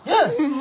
何？